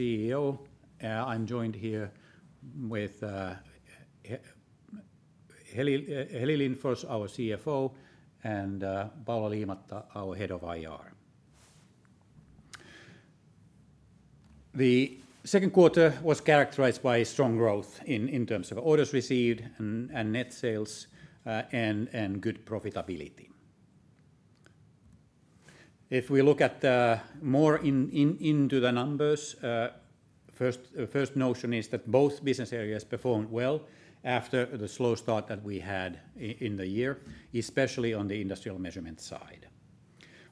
I'm joined here with Heli Lindfors, our CFO, and Paula Liimatta, our head of IR. The second quarter was characterized by strong growth in terms of orders received and net sales, and good profitability. If we look more into the numbers, first notion is that both business areas performed well after the slow start that we had in the year, especially on the Industrial Measurements side.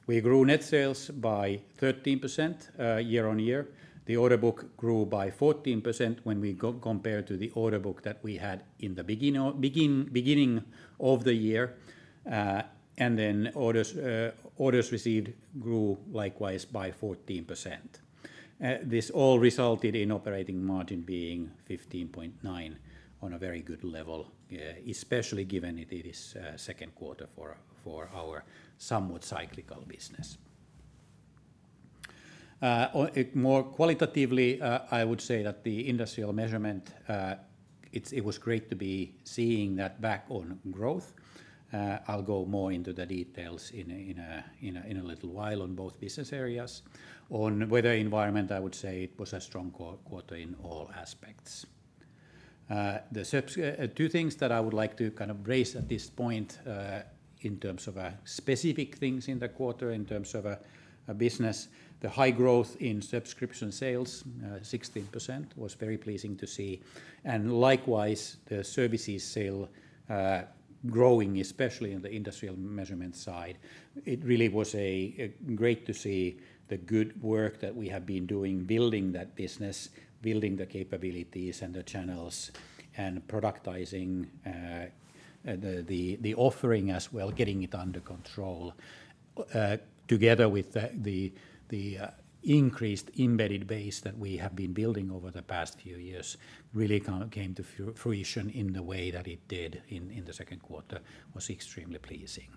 We grew net sales by 13%, year-on-year. The Order Book grew by 14% when we compare to the order book that we had in the beginning of the year. And then orders received grew likewise by 14%. This all resulted in operating margin being 15.9% on a very good level, especially given it is second quarter for our somewhat cyclical business. More qualitatively, I would say that the Industrial Measurements, it was great to see that back on growth. I'll go more into the details in a little while on both business areas. On Weather and Environment, I would say it was a strong quarter in all aspects. Two things that I would like to kind of raise at this point, in terms of specific things in the quarter, in terms of a business, the high growth in subscription sales, 16%, was very pleasing to see, and likewise, the services sale growing, especially in the Industrial Measurements side. It really was a great to see the good work that we have been doing, building that business, building the capabilities and the channels, and productizing, the offering as well, getting it under control. Together with the increased embedded base that we have been building over the past few years, really kind of came to fruition in the way that it did in the second quarter, was extremely pleasing.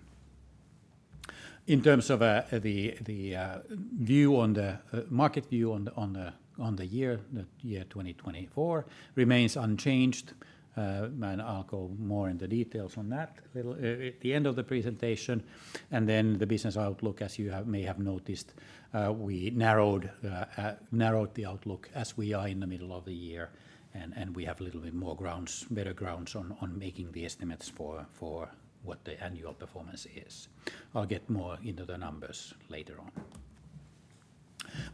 In terms of, the view on the market view on the year, the year 2024, remains unchanged. And I'll go more into details on that a little, at the end of the presentation. And then the business outlook, as you may have noticed, we narrowed the outlook as we are in the middle of the year, and we have a little bit more grounds, better grounds on making the estimates for what the annual performance is. I'll get more into the numbers later on.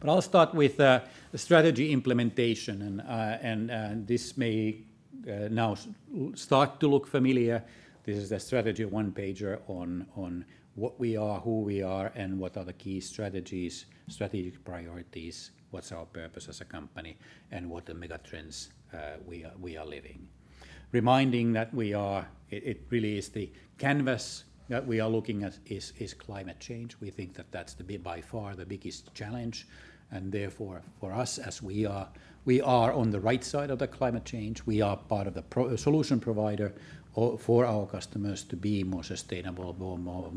I'll start with the strategy implementation, and this may now start to look familiar. This is a strategy one-pager on what we are, who we are, and what are the key strategies, strategic priorities, what's our purpose as a company, and what the mega trends we are living. Reminding that we are. It really is the canvas that we are looking at is climate change. We think that that's by far the biggest challenge, and therefore, for us, as we are, we are on the right side of the climate change, we are part of the solution provider for our customers to be more sustainable, more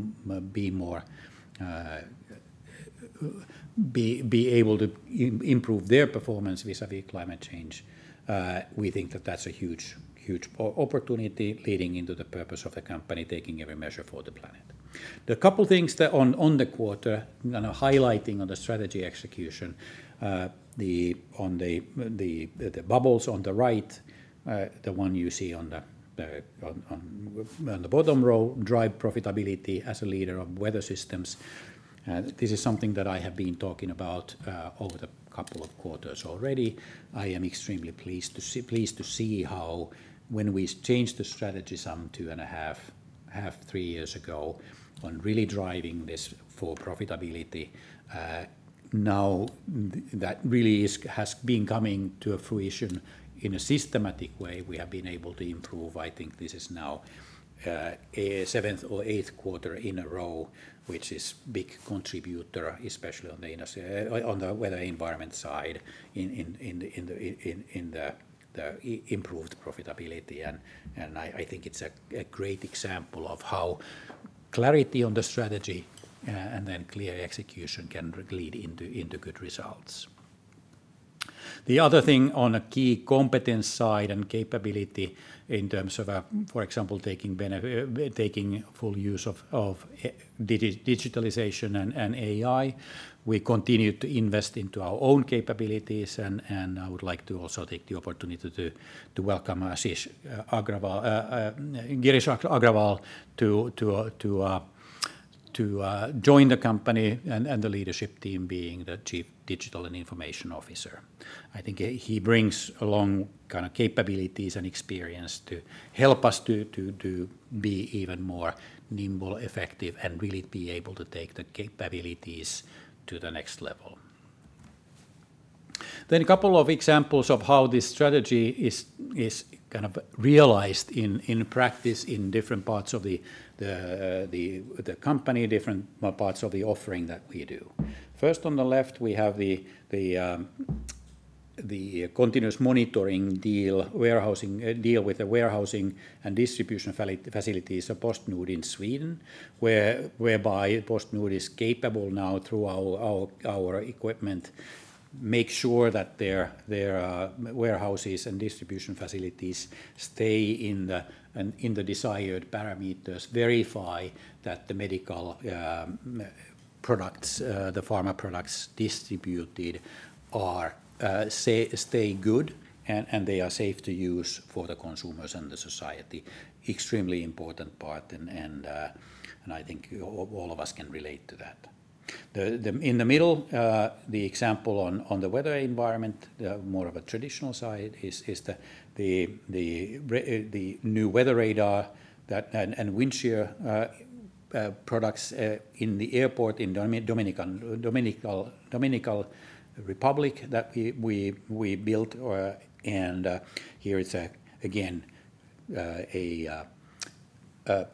able to improve their performance vis-à-vis climate change. We think that that's a huge opportunity leading into the purpose of the company, taking every measure for the planet. A couple of things on the quarter, and I'm highlighting on the strategy execution, the bubbles on the right, the one you see on the bottom row, drive profitability as a leader of weather systems. This is something that I have been talking about over the couple of quarters already. I am extremely pleased to see, pleased to see how when we changed the strategy some 2.5-3 years ago, on really driving this for profitability, now that really has been coming to a fruition in a systematic way. We have been able to improve. I think this is now a 7th or 8th quarter in a row, which is big contributor, especially on the Weather and Environment side, the improved profitability. And I think it's a great example of how clarity on the strategy and then clear execution can lead into good results. The other thing on a key competence side and capability in terms of, for example, taking full use of digitalization and AI, we continue to invest into our own capabilities, and I would like to also take the opportunity to welcome Girish Agarwal to join the company and the leadership team, being the Chief Digital and Information Officer. I think he brings along kind of capabilities and experience to help us to be even more nimble, effective, and really be able to take the capabilities to the next level. Then a couple of examples of how this strategy is kind of realized in practice in different parts of the company, different parts of the offering that we do. First, on the left, we have the continuous monitoring deal, warehousing deal with the warehousing and distribution facilities of PostNord in Sweden, whereby PostNord is capable now through our equipment make sure that their warehouses and distribution facilities stay in the desired parameters, verify that the medical products, the pharma products distributed are stay good, and they are safe to use for the consumers and the society. Extremely important part, and I think all of us can relate to that. In the middle, the example on the Weather and Environment, the more of a traditional side, is the new weather radar and wind shear products in the airport in the Dominican Republic that we built. And here is again a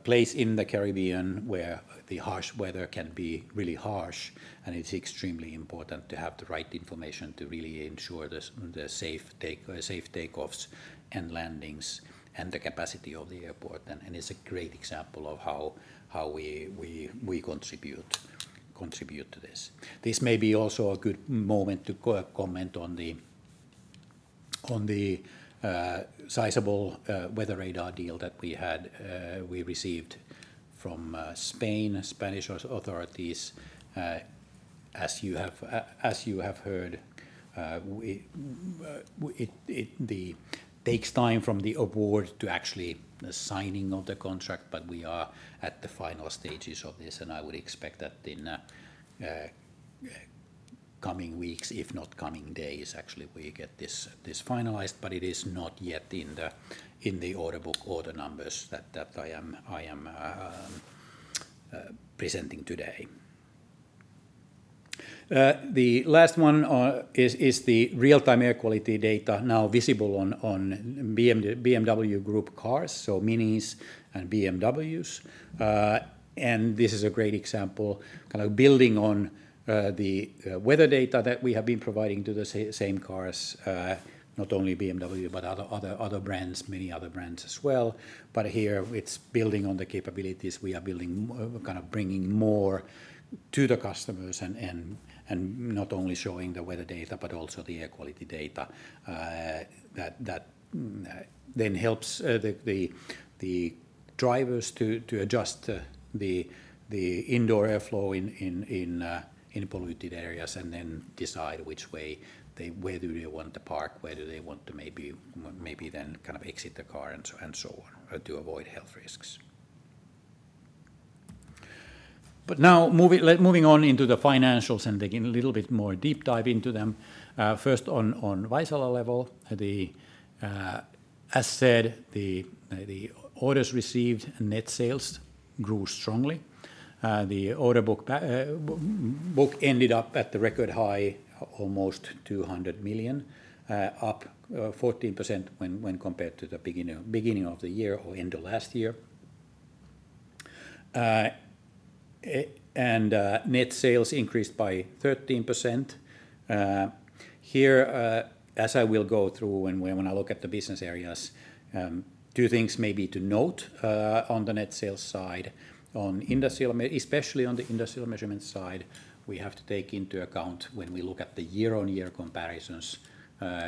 place in the Caribbean where the harsh weather can be really harsh, and it's extremely important to have the right information to really ensure the safe takeoffs and landings and the capacity of the airport. And it's a great example of how we contribute to this. This may be also a good moment to comment on the sizable weather radar deal that we received from Spanish authorities. As you have heard, it takes time from the award to actually the signing of the contract, but we are at the final stages of this, and I would expect that in coming weeks, if not coming days, actually, we get this finalized, but it is not yet in the order book order numbers that I am presenting today. The last one is the real-time air quality data now visible on BMW Group cars, so Minis and BMWs. This is a great example, kind of building on the weather data that we have been providing to the same cars, not only BMW, but other brands, many other brands as well. But here, it's building on the capabilities we are building, kind of bringing more to the customers and not only showing the weather data, but also the air quality data. That then helps the drivers to adjust the indoor airflow in polluted areas and then decide which way they, where do they want to park, where do they want to maybe then kind of exit the car, and so on, to avoid health risks. But now, moving on into the financials and taking a little bit more deep dive into them. First, on Vaisala level, as said, the orders received and net sales grew strongly. The order book ended up at the record high, almost 200 million, up 14% when compared to the beginning of the year or end of last year. And net sales increased by 13%. Here, as I will go through when I look at the business areas, two things maybe to note on the net sales side, especially on the Industrial Measurements side. We have to take into account when we look at the year-over-year comparisons.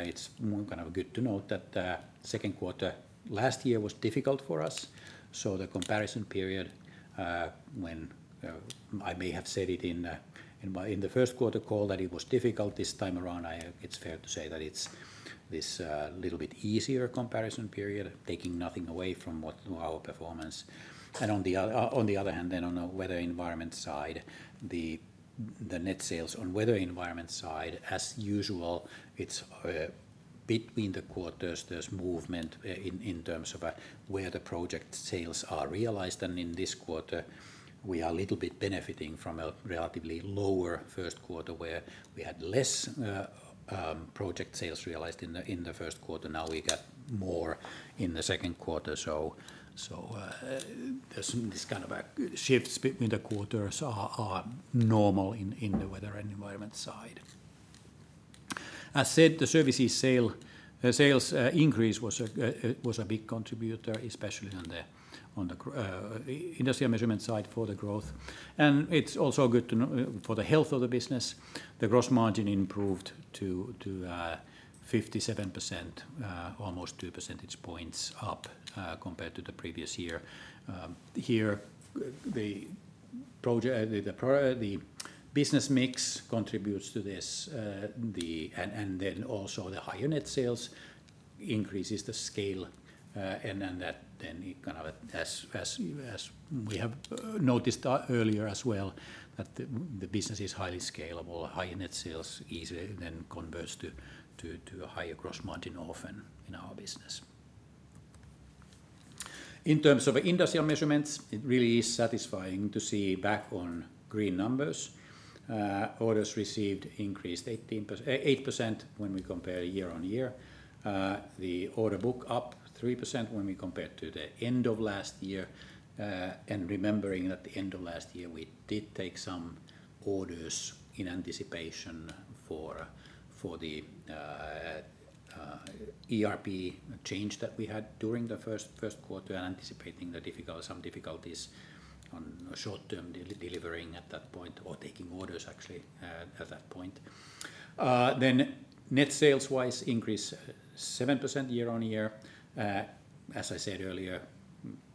It's kind of good to note that the second quarter last year was difficult for us. So the comparison period, when I may have said it in the first quarter call, that it was difficult this time around. It's fair to say that it's this little bit easier comparison period, taking nothing away from what our performance. And on the other hand, then on the Weather and Environment side, the net sales on the Weather and Environment side, as usual, it's between the quarters, there's movement in terms of where the project sales are realized, and in this quarter, we are a little bit benefiting from a relatively lower first quarter, where we had less project sales realized in the first quarter. Now, we got more in the second quarter, so there's this kind of shifts between the quarters are normal in the Weather and Environment side. As said, the services sales increase was a big contributor, especially on the Industrial Measurements side for the growth. And it's also good to know for the health of the business. The gross margin improved to 57%, almost two percentage points up, compared to the previous year. Here, the business mix contributes to this, the... And then also the higher net sales increases the scale, and then that it kind of as we have noticed earlier as well, that the business is highly scalable, high net sales easily then converts to a higher gross margin often in our business. In terms of industrial measurements, it really is satisfying to see back on green numbers. Orders received increased 8% when we compare year-on-year. The Order Book up 3% when we compare to the end of last year, and remembering at the end of last year, we did take some orders in anticipation for the ERP change that we had during the first quarter and anticipating some difficulties on short-term delivering at that point, or taking orders, actually, at that point. Then net sales-wise increase 7% year-on-year. As I said earlier,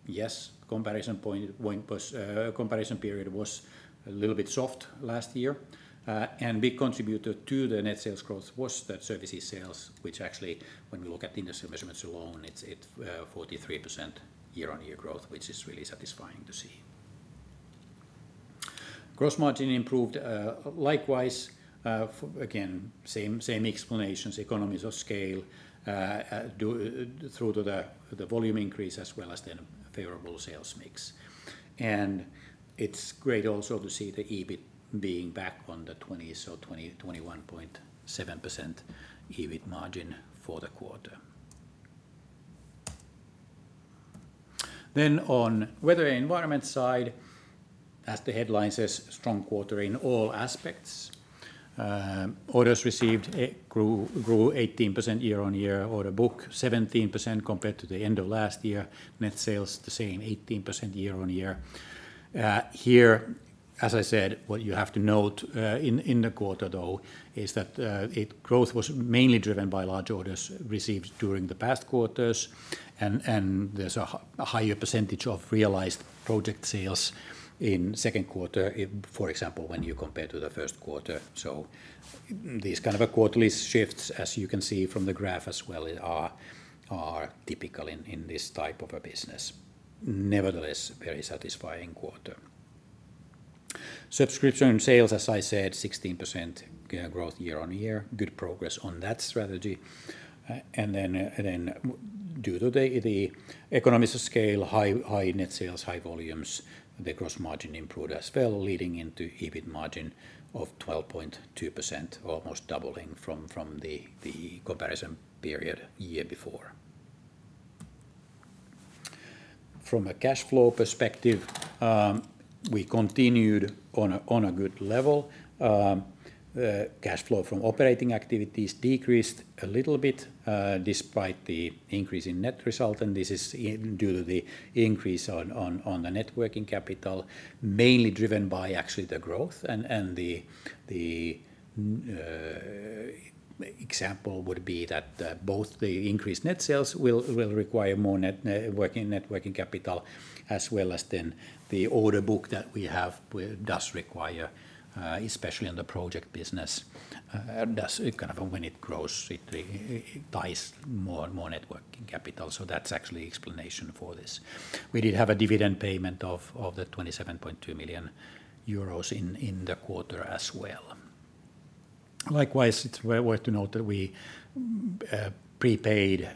the comparison period was a little bit soft last year. And big contributor to the net sales growth was the services sales, which actually, when we look at the Industrial Measurements alone, it's 43% year-on-year growth, which is really satisfying to see. Gross margin improved, likewise, again, same, same explanations, economies of scale, due to the volume increase, as well as the favorable sales mix. And it's great also to see the EBIT being back on the twenties or 21.7% EBIT margin for the quarter. Then on Weather and Environment side, as the headline says, strong quarter in all aspects. Orders received grew, grew 18% year-on-year, order book 17% compared to the end of last year. Net sales, the same, 18% year-on-year. Here, as I said, what you have to note in the quarter, though, is that growth was mainly driven by large orders received during the past quarters, and there's a higher percentage of realized project sales in second quarter, for example, when you compare to the first quarter. So these kind of a quarterly shifts, as you can see from the graph as well, are typical in this type of a business. Nevertheless, very satisfying quarter. Subscription sales, as I said, 16% growth year-on-year. Good progress on that strategy. And then due to the economies of scale, high net sales, high volumes, the gross margin improved as well, leading into EBIT margin of 12.2%, almost doubling from the comparison period year before. From a cash flow perspective, we continued on a good level. The cash flow from operating activities decreased a little bit, despite the increase in net result, and this is due to the increase on the net working capital, mainly driven by actually the growth and the example would be that both the increased net sales will require more net working capital, as well as then the order book that we have does require, especially in the project business, kind of when it grows, it ties more and more net working capital, so that's actually the explanation for this. We did have a dividend payment of 27.2 million euros in the quarter as well. Likewise, it's worth to note that we prepaid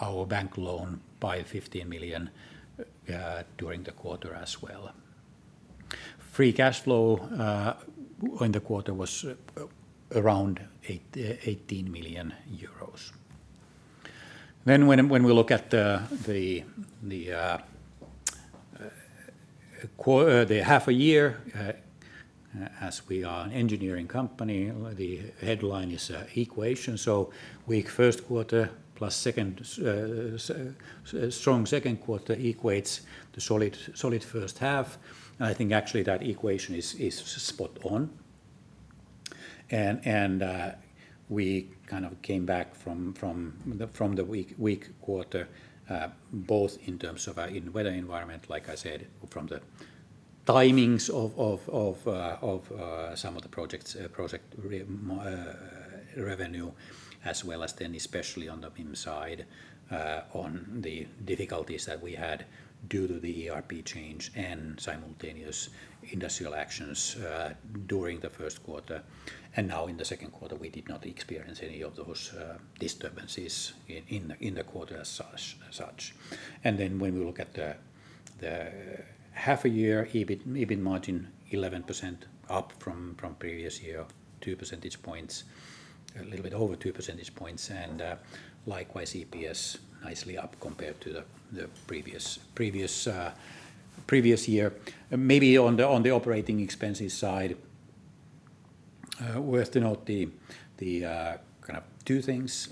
our bank loan by 15 million during the quarter as well. Free cash flow in the quarter was around EUR 18 million. Then when we look at the half a year, as we are an engineering company, the headline is equation, so weak first quarter plus second strong second quarter equates to solid solid first half, and I think actually that equation is spot on. We kind of came back from the weak quarter, both in terms of in Weather and Environment, like I said, from the timings of some of the projects, project revenue, as well as then especially on the IM side, on the difficulties that we had due to the ERP change and simultaneous industrial actions during the first quarter. And now in the second quarter, we did not experience any of those disturbances in the quarter as such. And then when we look at the half-year EBIT margin 11% up from previous year, two percentage points, a little bit over two percentage points, and likewise, EPS nicely up compared to the previous year. Maybe on the operating expenses side, worth to note the kind of two things.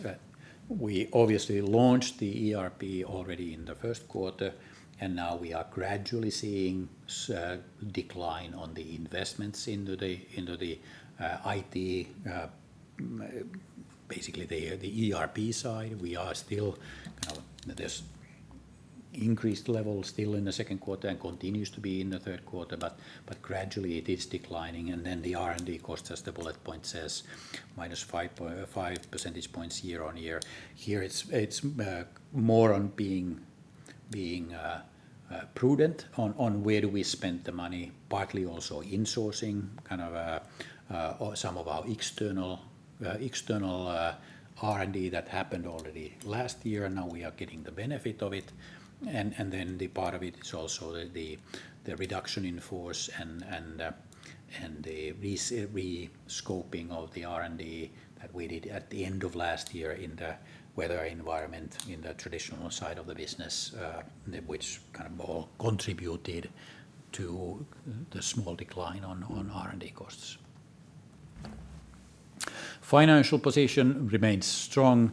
We obviously launched the ERP already in the first quarter, and now we are gradually seeing decline on the investments into the IT, basically the ERP side. We are still, kind of, there's increased level still in the second quarter and continues to be in the third quarter, but gradually it is declining. And then the R&D costs, as the bullet point says, minus 5.5 percentage points year-on-year. Here, it's more on being prudent on where do we spend the money, partly also insourcing, kind of, some of our external R&D that happened already last year, now we are getting the benefit of it. And then the part of it is also the reduction in force and the re-scoping of the R&D that we did at the end of last year in the Weather and Environment in the traditional side of the business, which kind of all contributed to the small decline on R&D costs. Financial position remains strong,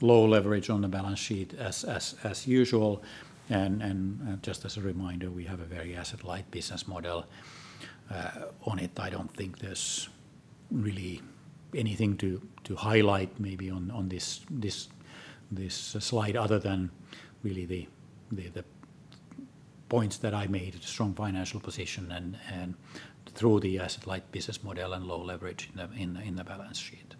low leverage on the balance sheet as usual. And just as a reminder, we have a very asset-light business model on it. I don't think there's really anything to highlight maybe on this slide other than really the points that I made: a strong financial position and through the asset-light business model and low leverage in the balance sheet.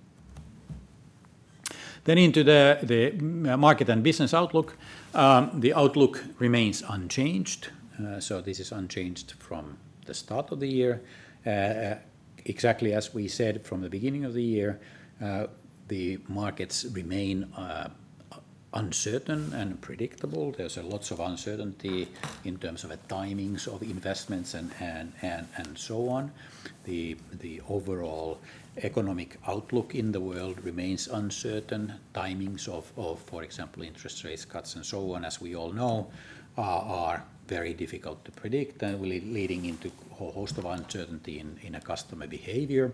Then into the market and business outlook. The outlook remains unchanged, so this is unchanged from the start of the year. Exactly as we said from the beginning of the year, the markets remain uncertain and unpredictable. There's a lot of uncertainty in terms of the timings of investments and so on. The overall economic outlook in the world remains uncertain. Timings of, for example, interest rates, cuts, and so on, as we all know, are very difficult to predict, leading into a host of uncertainty in a customer behavior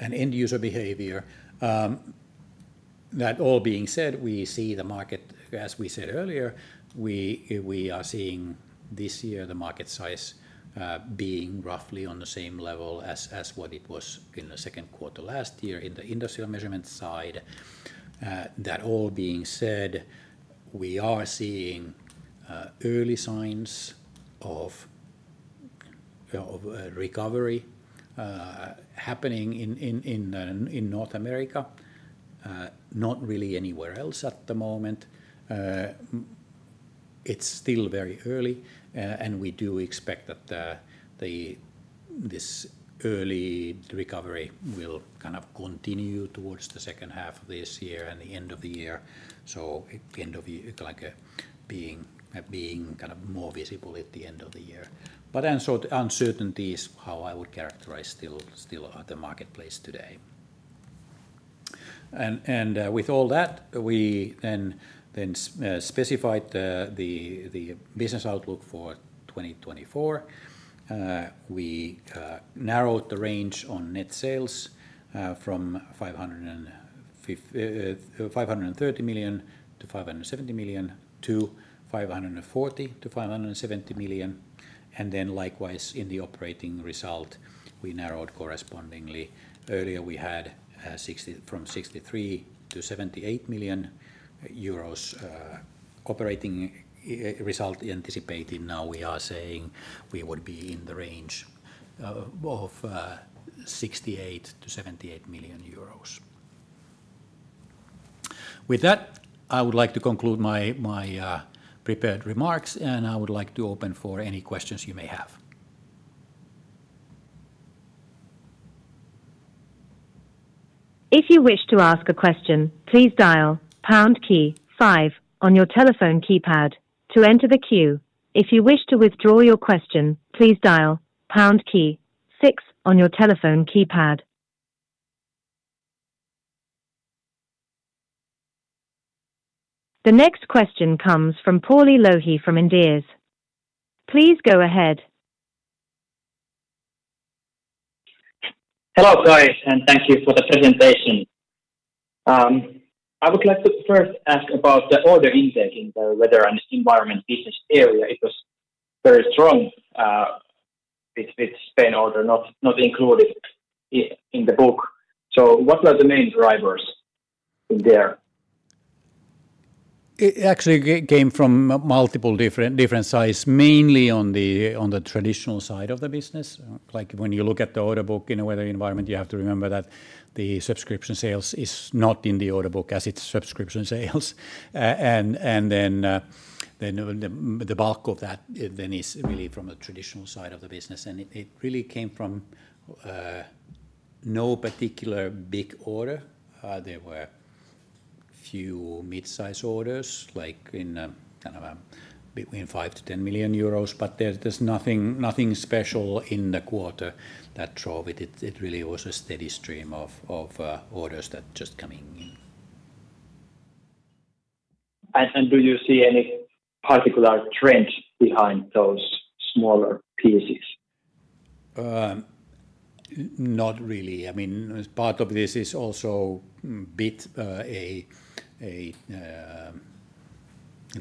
and end-user behavior. That all being said, we see the market. As we said earlier, we are seeing this year the market size being roughly on the same level as what it was in the second quarter last year in the Industrial Measurements side. That all being said, we are seeing early signs of a recovery happening in North America. Not really anywhere else at the moment. It's still very early, and we do expect that this early recovery will kind of continue towards the second half of this year and the end of the year, so end of year, like, being kind of more visible at the end of the year. But then, so uncertainty is how I would characterize still the marketplace today. And with all that, we then specified the business outlook for 2024. We narrowed the range on net sales from 530 million-570 million to 540 million-570 million. Then likewise in the operating result, we narrowed correspondingly. Earlier, we had from 63 million-78 million euros operating result anticipated. Now we are saying we would be in the range of EUR 68 million-EUR 78 million. With that, I would like to conclude my prepared remarks, and I would like to open for any questions you may have. If you wish to ask a question, please dial pound key five on your telephone keypad to enter the queue. If you wish to withdraw your question, please dial pound key six on your telephone keypad. The next question comes from Pauli Lohi from Inderes. Please go ahead. Hello, guys, and thank you for the presentation. I would like to first ask about the order intake in the Weather and Environment business area. It was very strong, with Spain order not included in the book. So what were the main drivers in there? It actually came from multiple different sides, mainly on the traditional side of the business. Like, when you look at the order book in a Weather and Environment, you have to remember that the subscription sales is not in the order book, as it's subscription sales. And then the bulk of that then is really from a traditional side of the business, and it really came from no particular big order. There were few mid-size orders, like in kind of between 5 million-10 million euros, but there's nothing special in the quarter that drove it. It really was a steady stream of orders that just coming in. Do you see any particular trends behind those smaller pieces? Not really. I mean, as part of this is also a bit, you know,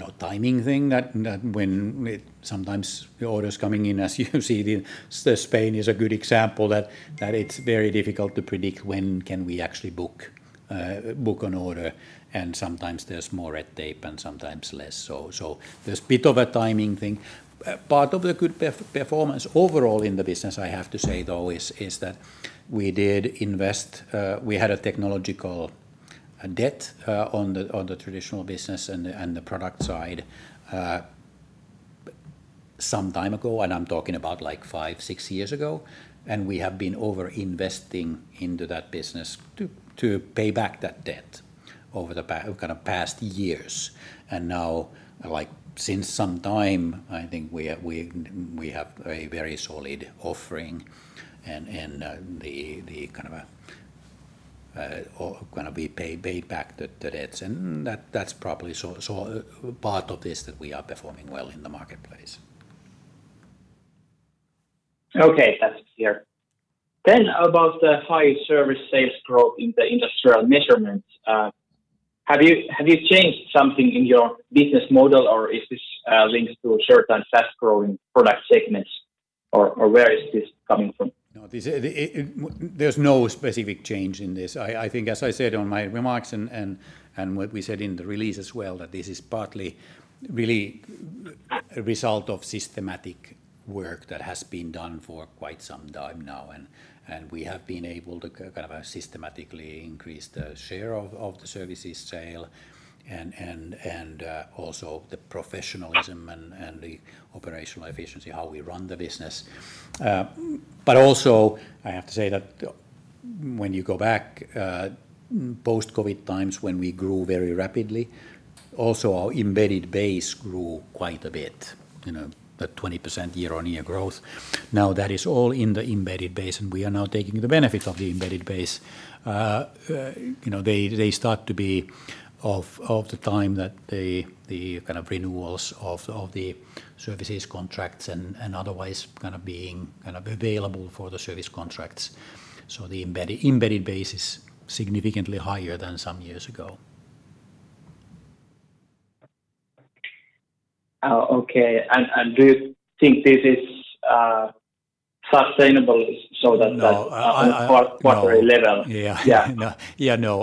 a timing thing, that, that when it sometimes the order is coming in, as you see, Spain is a good example, that, that it's very difficult to predict when can we actually book, book an order, and sometimes there's more red tape and sometimes less. So, so there's a bit of a timing thing. Part of the good performance overall in the business, I have to say, though, is, is that we did invest. We had a technological debt on the traditional business and the product side some time ago, and I'm talking about, like, five, six years ago, and we have been over-investing into that business to pay back that debt over the past kind of years. And now, like, since some time, I think we have a very solid offering and the kind of, or kind of, we paid back the debts, and that's probably so part of this, that we are performing well in the marketplace. Okay, that's clear. Then about the high service sales growth in the Industrial Measurements, have you, have you changed something in your business model or is this linked to a certain fast-growing product segments or, or where is this coming from? No, this, there's no specific change in this. I think, as I said on my remarks and what we said in the release as well, that this is partly really a result of systematic work that has been done for quite some time now, and we have been able to kind of systematically increase the share of the services sale and also the professionalism and the operational efficiency, how we run the business. But also, I have to say that when you go back, post-COVID times, when we grew very rapidly, also our embedded base grew quite a bit, you know, that 20% year-on-year growth. Now, that is all in the embedded base, and we are now taking the benefits of the embedded base. You know, they start to be of the time that the kind of renewals of the services contracts and otherwise kind of being available for the service contracts. So the embedded base is significantly higher than some years ago. Okay. And do you think this is sustainable so that- No, -quarterly level? Yeah. Yeah. Yeah, no,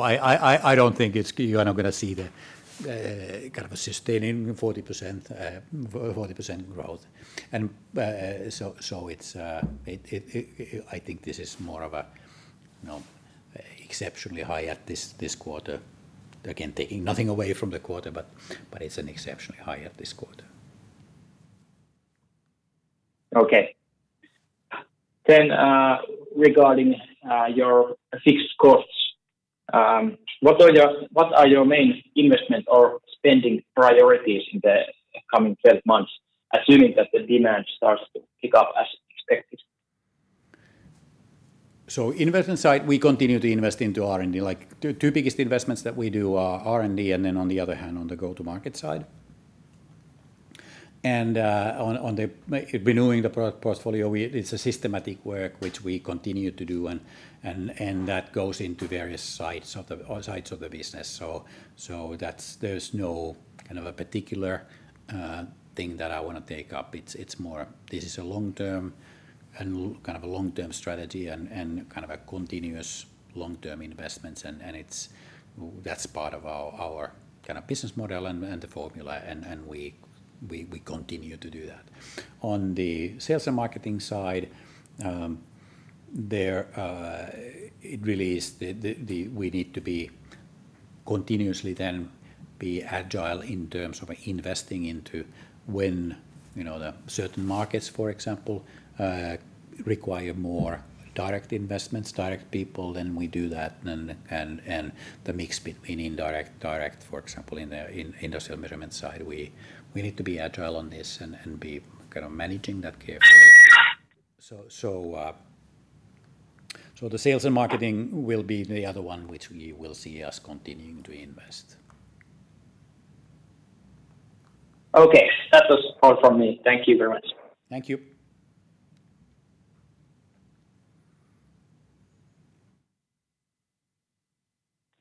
I don't think it's. You are not gonna see the kind of a sustaining 40% growth. And, so, I think this is more of a, you know, exceptionally high at this quarter. Again, taking nothing away from the quarter, but it's exceptionally high at this quarter. Okay. Then, regarding your fixed costs, what are your main investment or spending priorities in the coming 12 months, assuming that the demand starts to pick up as expected? on the investment side, we continue to invest into R&D. Like, two biggest investments that we do are R&D and then, on the other hand, on the go-to-market side. And on the renewing the product portfolio, it's a systematic work, which we continue to do and that goes into various sides of the business. So that's, there's no kind of a particular thing that I wanna take up. It's more this is a long-term, and kind of a long-term strategy and kind of a continuous long-term investments, and it's, that's part of our kind of business model and the formula, and we continue to do that. On the sales and marketing side, there it really is the... We need to be continuously then be agile in terms of investing into when, you know, the certain markets, for example, require more direct investments, direct people, then we do that, then, and the mix between indirect, direct, for example, in the industrial measurement side, we need to be agile on this and be kind of managing that carefully. So, the sales and marketing will be the other one, which we will see us continuing to invest. Okay, that was all from me. Thank you very much. Thank you.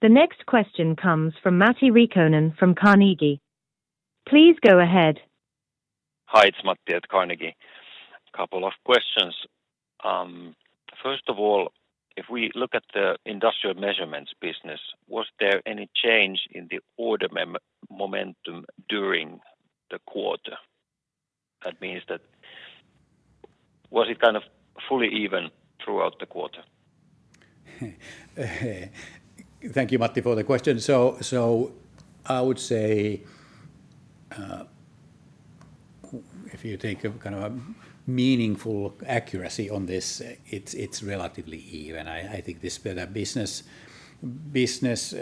The next question comes from Matti Riikonen from Carnegie. Please go ahead. Hi, it's Matti at Carnegie. Couple of questions. First of all, if we look at the industrial measurements business, was there any change in the order momentum during the quarter? That means that... Was it kind of fully even throughout the quarter? Thank you, Matti, for the question. So, I would say, if you think of kind of a meaningful accuracy on this, it's, it's relatively even. I think this bit of business, business,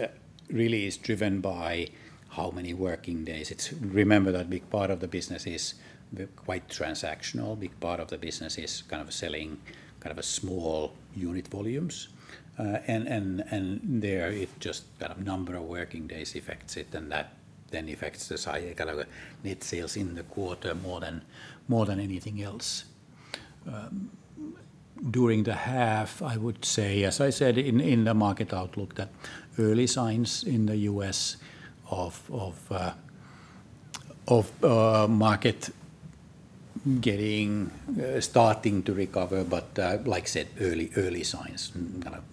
really is driven by how many working days. It's. Remember that big part of the business is the quite transactional. Big part of the business is kind of selling kind of a small unit volumes. And there, it just kind of number of working days affects it, and that then affects the side, kind of net sales in the quarter more than, more than anything else. During the half, I would say, as I said in the market outlook, that early signs in the US of market starting to recover, but, like I said, early signs, kind of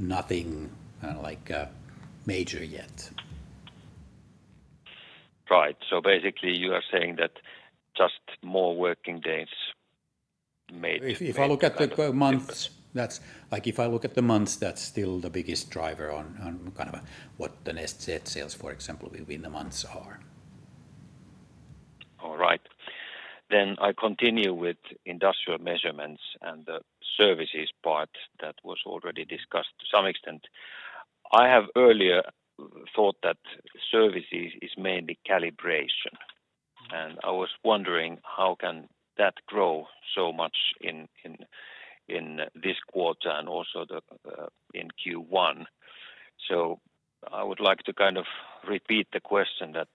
nothing like major yet. Right. So basically, you are saying that just more working days made- If I look at the months, that's... Like, if I look at the months, that's still the biggest driver on kind of what the next net sales, for example, will be in the months are.... All right. Then I continue with industrial measurements and the services part that was already discussed to some extent. I have earlier thought that services is mainly calibration, and I was wondering how can that grow so much in this quarter and also in Q1? So I would like to kind of repeat the question, that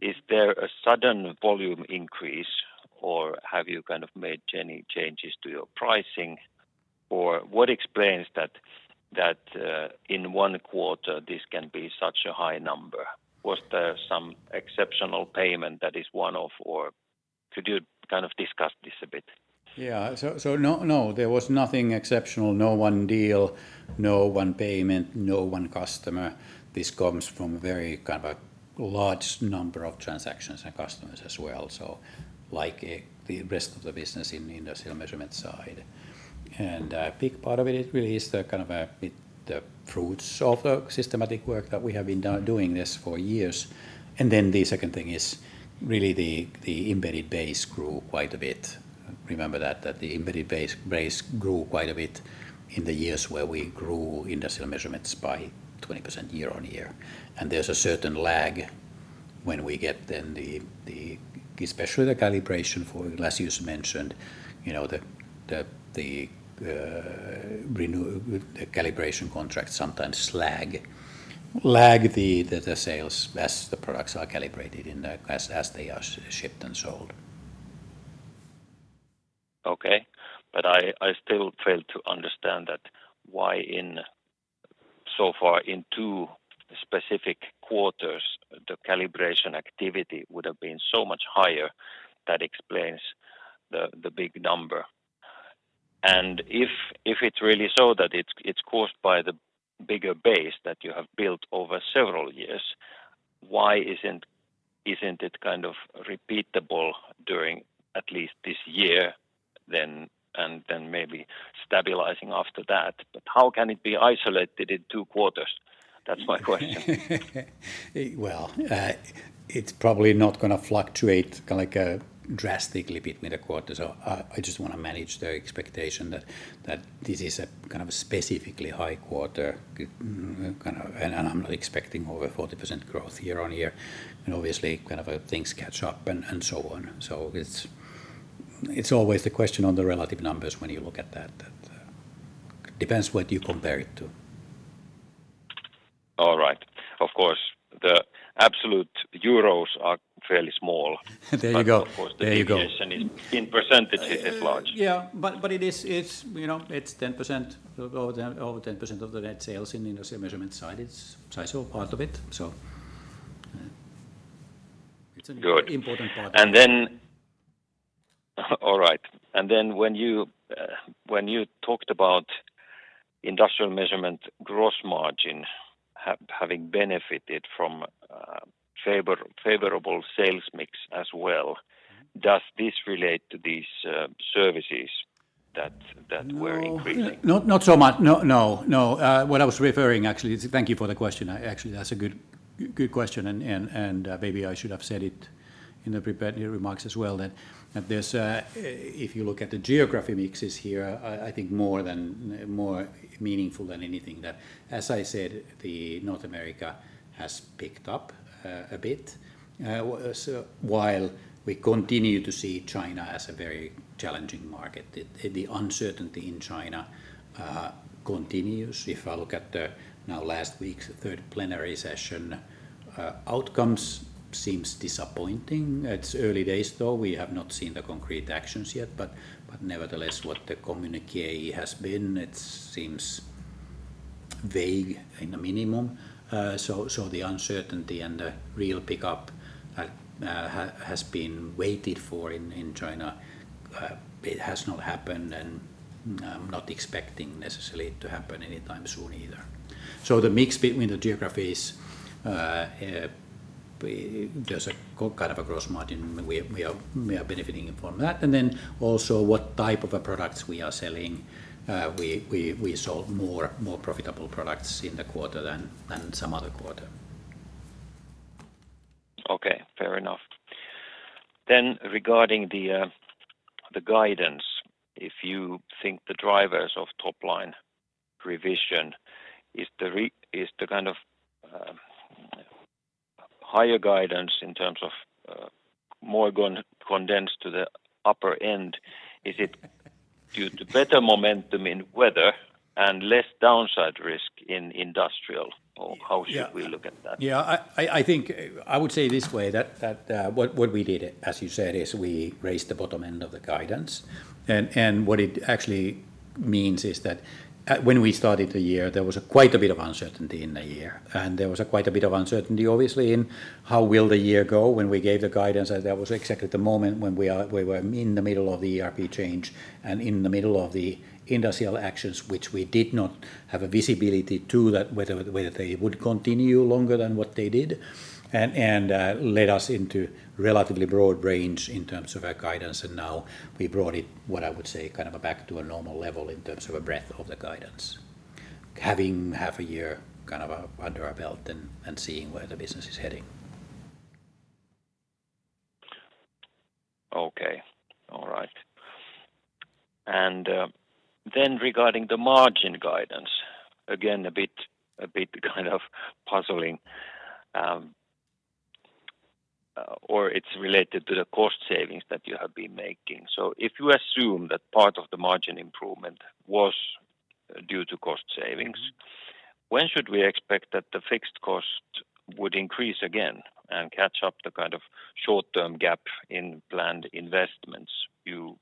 is there a sudden volume increase, or have you kind of made any changes to your pricing? Or what explains that in one quarter, this can be such a high number? Was there some exceptional payment that is one-off, or could you kind of discuss this a bit? Yeah. So no, no, there was nothing exceptional, no one deal, no one payment, no one customer. This comes from a very kind of a large number of transactions and customers as well, so like, the rest of the business in the Industrial Measurements side. And a big part of it really is the kind of, the fruits of the systematic work that we have been doing this for years. And then the second thing is really the embedded base grew quite a bit. Remember that the embedded base grew quite a bit in the years where we grew Industrial Measurements by 20% year-on-year. And there's a certain lag when we get then the... Especially the calibration for, as you just mentioned, you know, the calibration contracts sometimes lag the sales as the products are calibrated as they are shipped and sold. Okay. But I still fail to understand why, so far, in two specific quarters, the calibration activity would have been so much higher that explains the big number? And if it's really so that it's caused by the bigger base that you have built over several years, why isn't it kind of repeatable during at least this year then, and then maybe stabilizing after that? But how can it be isolated in two quarters? That's my question. Well, it's probably not gonna fluctuate kind of like drastically between the quarters. So, I just wanna manage the expectation that this is a kind of a specifically high quarter kind of, and I'm not expecting over 40% growth year-on-year, and obviously, kind of, things catch up and so on. So it's always the question on the relative numbers when you look at that. Depends what you compare it to. All right. Of course, the absolute euros are fairly small. There you go. There you go. But of course, the deviation in percentage is large. Yeah, but it is, it's, you know, it's 10%, over 10% of the net sales in Industrial Measurements side. It's also part of it, so, it's an- Good... important part. All right, and then when you talked about industrial measurement gross margin having benefited from favorable sales mix as well, does this relate to these services that were increasing? No, not so much. No, no, no. What I was referring actually- Thank you for the question. Actually, that's a good question, and maybe I should have said it in the prepared remarks as well, that there's... If you look at the geography mixes here, I think more meaningful than anything that, as I said, the North America has picked up a bit. So while we continue to see China as a very challenging market, the uncertainty in China continues. If I look at the now last week's third plenary session, outcomes seems disappointing. It's early days though. We have not seen the concrete actions yet, but nevertheless, what the communiqué has been, it seems vague in the minimum. So the uncertainty and the real pickup has been waited for in China. It has not happened, and I'm not expecting necessarily to happen anytime soon either. So the mix between the geographies, there's a kind of a gross margin; we are benefiting from that. And then also what type of products we are selling, we sold more profitable products in the quarter than some other quarter. Okay, fair enough. Then regarding the guidance, if you think the drivers of top-line revision is the kind of higher guidance in terms of more condensed to the upper end? Is it due to better momentum in weather and less downside risk in industrial, or how- Yeah... should we look at that? Yeah, I think I would say this way, that what we did, as you said, is we raised the bottom end of the guidance. And what it actually means is that, when we started the year, there was quite a bit of uncertainty in the year, and there was quite a bit of uncertainty, obviously, in how will the year go. When we gave the guidance, that was exactly the moment when we were in the middle of the ERP change and in the middle of the industrial actions, which we did not have a visibility to that, whether they would continue longer than what they did, and led us into relatively broad range in terms of our guidance. Now we brought it, what I would say, kind of back to a normal level in terms of a breadth of the guidance, having half a year kind of under our belt and seeing where the business is heading. Okay. All right. And then regarding the margin guidance, again, a bit kind of puzzling, or it's related to the cost savings that you have been making. So if you assume that part of the margin improvement was due to cost savings- when should we expect that the fixed cost would increase again and catch up the kind of short-term gap in planned investments? You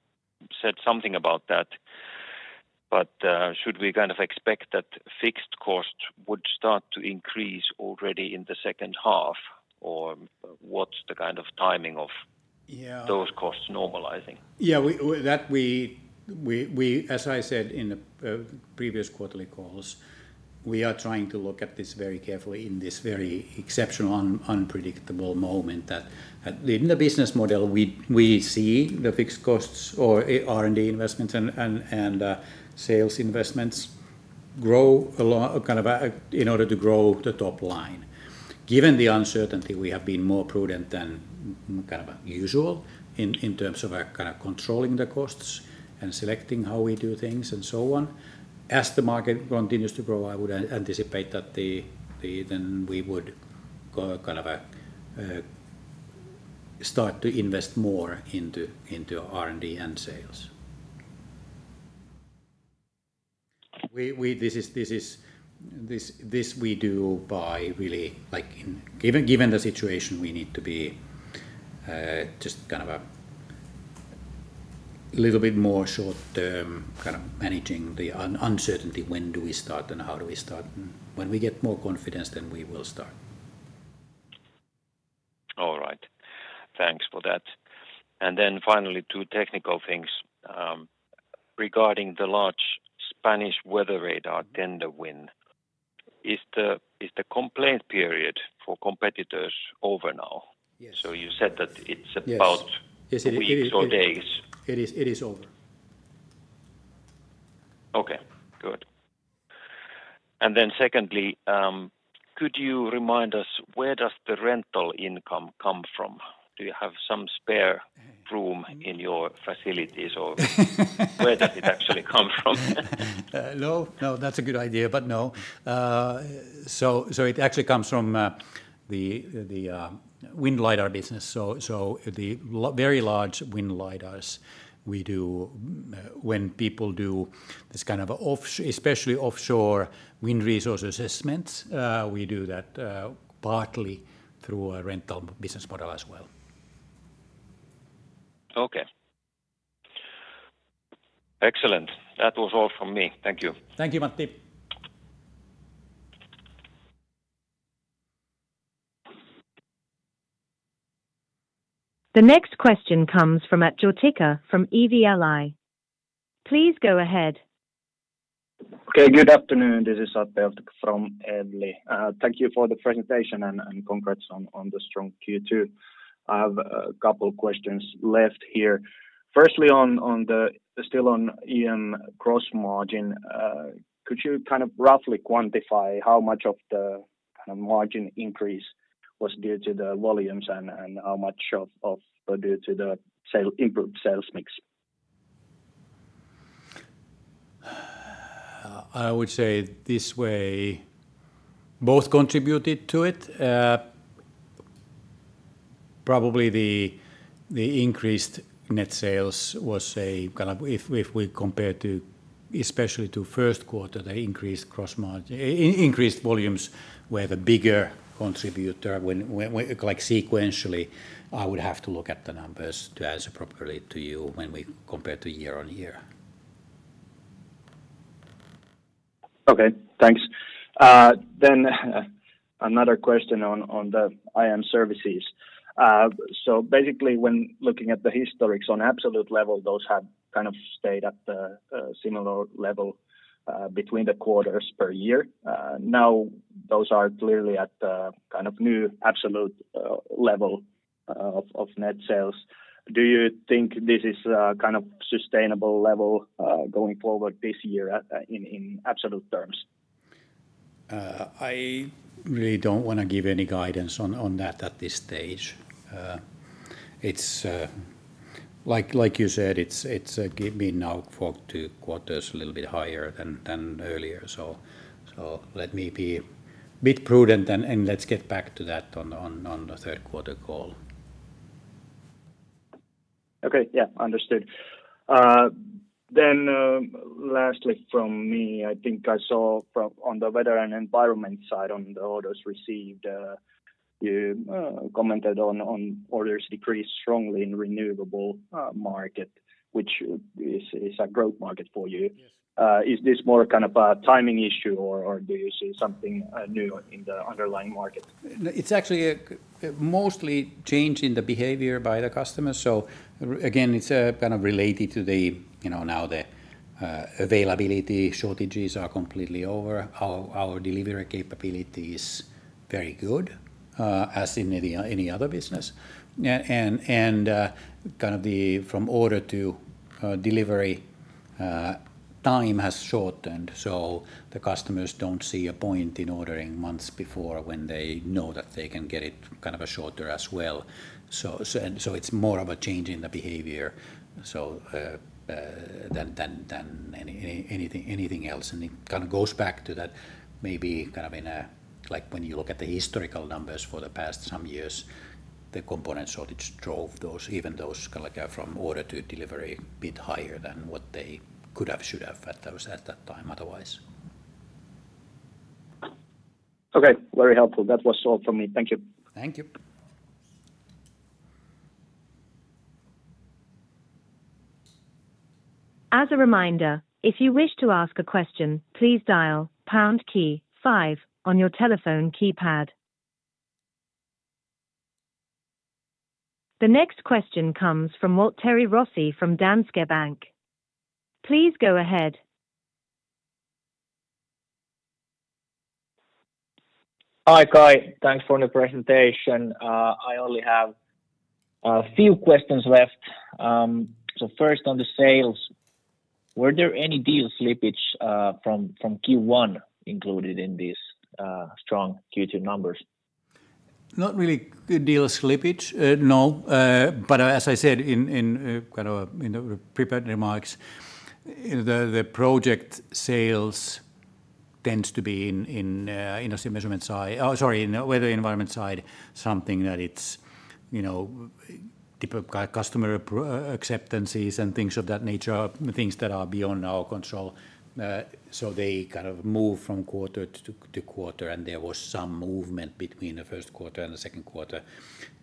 said something about that, but, should we kind of expect that fixed costs would start to increase already in the second half, or what's the kind of timing of- Yeah... those costs normalizing? Yeah, as I said in the previous quarterly calls, we are trying to look at this very carefully in this very exceptional unpredictable moment that in the business model, we see the fixed costs or R&D investments and sales investments grow along kind of in order to grow the top line. Given the uncertainty, we have been more prudent than kind of usual in terms of kind of controlling the costs and selecting how we do things and so on. As the market continues to grow, I would anticipate that then we would go kind of start to invest more into R&D and sales. We do this by really like in... Given the situation, we need to be just kind of a little bit more short-term, kind of managing the uncertainty, when do we start and how do we start? When we get more confidence, then we will start. All right. Thanks for that. Then finally, two technical things. Regarding the large Spanish weather radar tender win, is the complaint period for competitors over now? Yes. So you said that it's about- Yes... weeks or days. It is, it is over. Okay, good. And then secondly, could you remind us where the rental income comes from? Do you have some spare room in your facilities, or where does it actually come from? No, no, that's a good idea, but no. So, so it actually comes from the Wind Lidar business. So, so the very large Wind Lidars we do, when people do this kind of especially offshore wind resource assessments, we do that partly through a rental business model as well. Okay. Excellent. That was all from me. Thank you. Thank you, Matti. The next question comes from Atte Ohtikka from Evli. Please go ahead. Okay, good afternoon. This is Atte Ohtikka from Evli. Thank you for the presentation and congrats on the strong Q2. I have a couple of questions left here. Firstly, still on IM gross margin, could you kind of roughly quantify how much of the kind of margin increase was due to the volumes and how much were due to the improved sales mix? I would say this way: both contributed to it. Probably the increased net sales was a kind of... If we compare to, especially to first quarter, the increased gross margin, increased volumes were the bigger contributor like, sequentially, I would have to look at the numbers to answer properly to you when we compare to year-on-year. Okay, thanks. Another question on the IM services. Basically, when looking at the historicals on absolute level, those have kind of stayed at the similar level between the quarters per year. Now those are clearly at the kind of new absolute level of net sales. Do you think this is a kind of sustainable level going forward this year in absolute terms? I really don't wanna give any guidance on that at this stage. Like you said, it's given now for two quarters a little bit higher than earlier. So let me be a bit prudent and let's get back to that on the third quarter call. Okay. Yeah, understood. Then, lastly from me, I think I saw from on the weather and environment side on the orders received, you commented on orders decreased strongly in renewable market, which is a growth market for you. Yes. Is this more kind of a timing issue, or do you see something new in the underlying market? It's actually a mostly change in the behavior by the customers. So again, it's kind of related to the, you know, now the availability shortages are completely over. Our delivery capability is very good, as in any other business. Yeah, and kind of the from order to delivery time has shortened, so the customers don't see a point in ordering months before when they know that they can get it kind of a shorter as well. So, and so it's more of a change in the behavior than anything else. And it kind of goes back to that maybe kind of in a, like, when you look at the historical numbers for the past some years, the component shortage drove those, even those kind of like from order to delivery a bit higher than what they could have, should have at that time, otherwise. Okay, very helpful. That was all for me. Thank you. Thank you. As a reminder, if you wish to ask a question, please dial pound key five on your telephone keypad. The next question comes from Waltteri Rossi from Danske Bank. Please go ahead. Hi, Kai. Thanks for the presentation. I only have a few questions left. So first on the sales, were there any deal slippage from Q1 included in these strong Q2 numbers? Not really good deal slippage, no. But as I said, kind of, in the prepared remarks, the project sales tends to be in industrial measurement side. Oh, sorry, in Weather and Environment side, something that it's, you know, different kind of customer approvals acceptances and things of that nature, things that are beyond our control. So they kind of move from quarter to quarter, and there was some movement between the first quarter and the second quarter.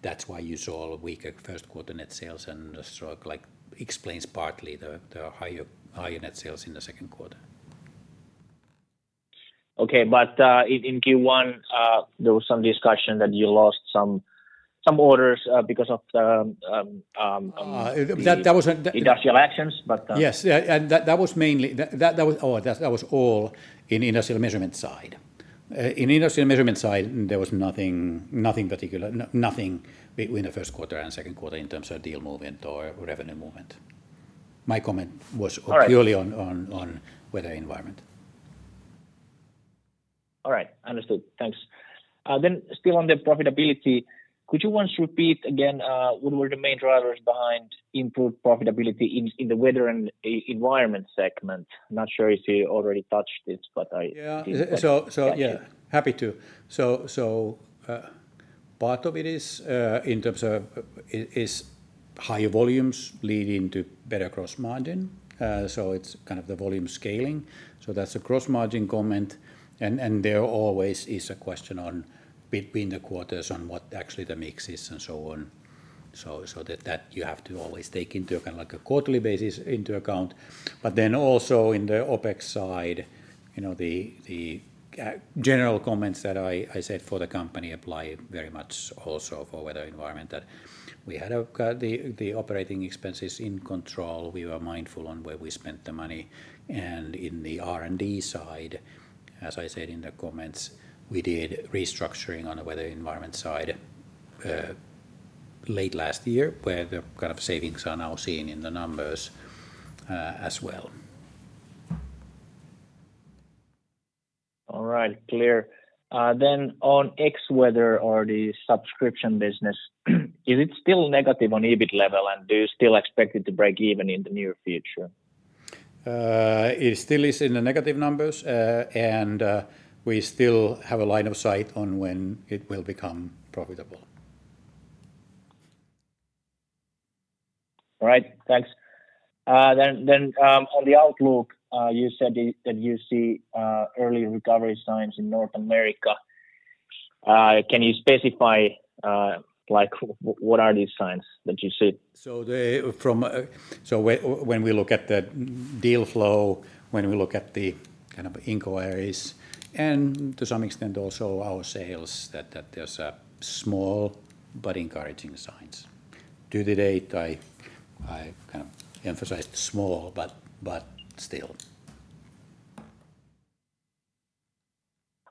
That's why you saw a weaker first quarter net sales and a strong, like, explains partly the higher net sales in the second quarter. Okay, but in Q1 there was some discussion that you lost some orders because of the- That was a- industrial actions, but Yes, yeah, and that was mainly... That was all in industrial measurement side. In industrial measurement side, there was nothing particular, nothing between the first quarter and second quarter in terms of deal movement or revenue movement. My comment was- All right... purely on Weather and Environment. All right. Understood. Thanks. Then still on the profitability, could you once repeat again, what were the main drivers behind improved profitability in the Weather and Environment segment? I'm not sure if you already touched this, but I- Yeah Didn't quite get it. So yeah, happy to. So part of it is in terms of higher volumes leading to better gross margin. So it's kind of the volume scaling, so that's a gross margin comment. And there always is a question on between the quarters on what actually the mix is and so on. So that you have to always take into account, like a quarterly basis into account. But then also in the OpEx side, you know, the general comments that I said for the company apply very much also for Weather and Environment, that we had the operating expenses in control. We were mindful on where we spent the money. In the R&D side, as I said in the comments, we did restructuring on the Weather and Environment side late last year, where the kind of savings are now seen in the numbers, as well. All right. Clear. Then on Xweather or the subscription business, is it still negative on EBIT level, and do you still expect it to break even in the near future? It still is in the negative numbers, and we still have a line of sight on when it will become profitable. All right. Thanks. Then, on the outlook, you said that you see early recovery signs in North America. Can you specify, like, what are these signs that you see? So when we look at the deal flow, when we look at the kind of inquiries, and to some extent also our sales, that there's a small but encouraging signs. To date, I kind of emphasize small, but still.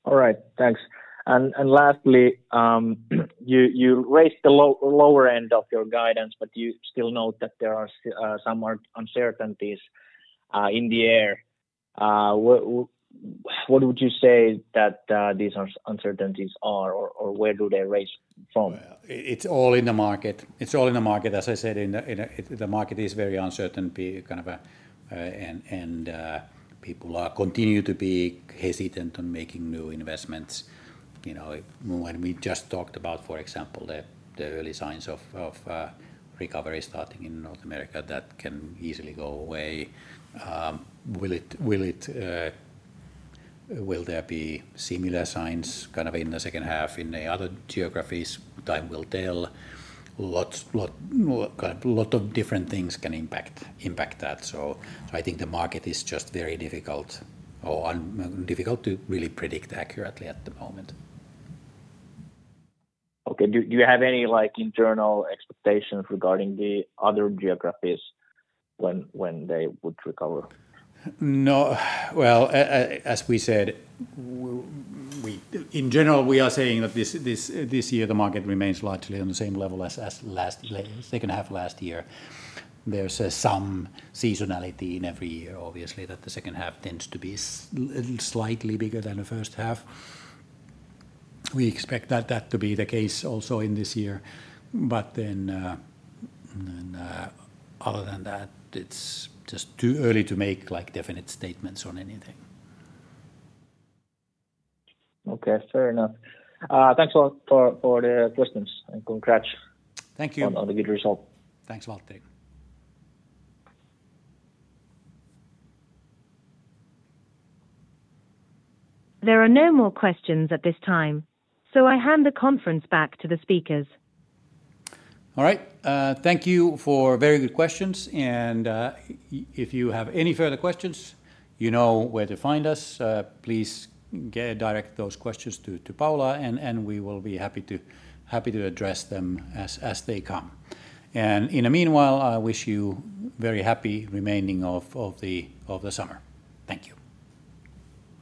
All right, thanks. And lastly, you raised the lower end of your guidance, but you still note that there are still some more uncertainties in the air. What would you say that these uncertainties are, or where do they raise from? Well, it's all in the market. It's all in the market. As I said, the market is very uncertain, particularly kind of, and people are continue to be hesitant on making new investments. You know, when we just talked about, for example, the early signs of recovery starting in North America, that can easily go away. Will there be similar signs kind of in the second half in the other geographies? Time will tell. Lots of different things can impact that, so I think the market is just very difficult to really predict accurately at the moment. Okay. Do you have any, like, internal expectations regarding the other geographies when they would recover? No. Well, as we said, in general, we are saying that this year, the market remains largely on the same level as last second half of last year. There's some seasonality in every year, obviously, that the second half tends to be slightly bigger than the first half. We expect that to be the case also in this year. But then, other than that, it's just too early to make, like, definite statements on anything. Okay, fair enough. Thanks a lot for the questions, and congrats- Thank you... on the good result. Thanks, Waltteri. There are no more questions at this time, so I hand the conference back to the speakers. All right. Thank you for very good questions, and if you have any further questions, you know where to find us. Please direct those questions to Paula, and we will be happy to address them as they come. And in the meanwhile, I wish you very happy remaining of the summer. Thank you.